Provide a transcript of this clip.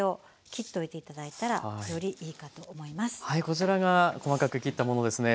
こちらが細かく切ったものですね。